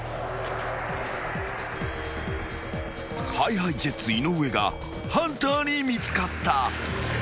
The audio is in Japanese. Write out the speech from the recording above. ［ＨｉＨｉＪｅｔｓ井上がハンターに見つかった］来てる来てる来てる。